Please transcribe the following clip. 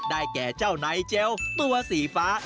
ได้แก่เจ้าไนเจลตัวสีฟ้า